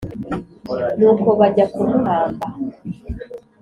Nuko bajya kumuhamba